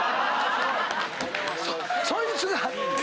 そいつがＴ⁉